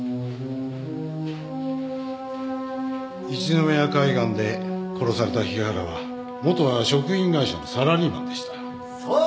一宮海岸で殺された日原はもとは食品会社のサラリーマンでした。